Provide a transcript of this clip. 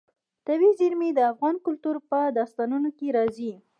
طبیعي زیرمې د افغان کلتور په داستانونو کې راځي.